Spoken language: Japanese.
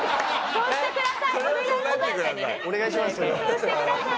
そうしてください。